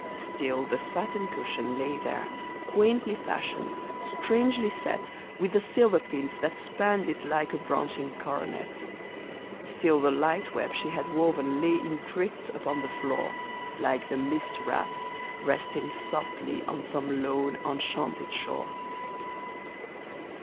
Still the satin cushion lay there, quaintly fashioned, strangely set With the silver pins that spanned it like a branching coro net ; Still the light web she had woven lay in drifts upon the floor. Like the mist wreaths resting softly on some lone, enchanted shore